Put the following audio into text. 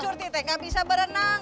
surti tenggak bisa berenang